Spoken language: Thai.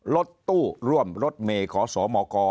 รถตู้ร่วมรถเมย์ขอสมก